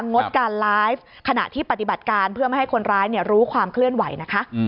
งดการไลฟ์ขณะที่ปฏิบัติการเพื่อไม่ให้คนร้ายรู้ความเคลื่อนไหวนะคะ